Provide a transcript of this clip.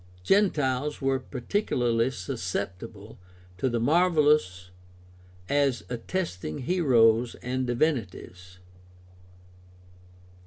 Gentiles were particularly susceptible to the marvelous as attesting heroes and divinities.